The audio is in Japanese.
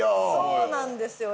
そうなんですよね。